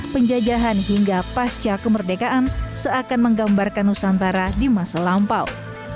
penjajahan hingga pasca kemerdekaan seakan menggambarkan nusantara di masa lampau